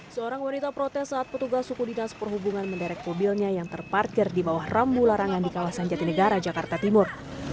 seorang wanita protes saat petugas suku dinas perhubungan menderek mobilnya yang terparkir di bawah rambu larangan di kawasan jatinegara jakarta timur